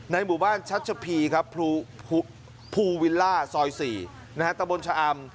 ในหมู่บ้านชัชพีครับภูภูฟูวิลล่าซอยสี่นะฮะตะบนชะอาม